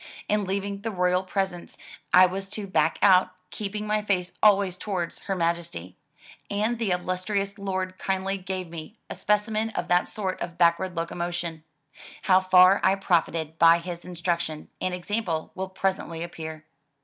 In leaving the royal presence, I was to "back out/' keeping my face always towards Her Majesty, and the illus trious lord kindly gave me a specimen of that sort of backward locomotion. How far I profited by his instruction and example will presently appear.